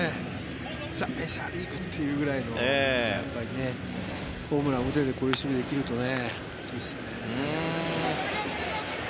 ザ・メジャーリーグっていうくらいのホームランを打ててこういう守備ができるといいですね。